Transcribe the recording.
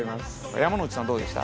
山之内さんどうでした？